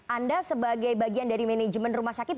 anda sebagai bagian dari manajemen rumah sakit